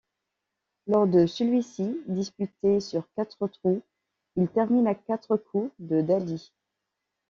Lors de celui-ci, disputé sur quatre trous, il termine à quatre coups de Daly.